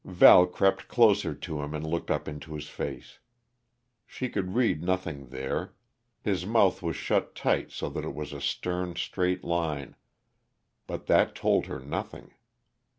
Val crept closer to him, and looked up into his face. She could read nothing there; his mouth was shut tight so that it was a stern, straight line, but that told her nothing.